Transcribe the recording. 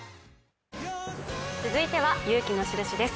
続いては「勇気のシルシ」です。